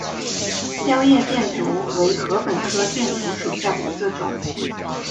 凋叶箭竹为禾本科箭竹属下的一个种。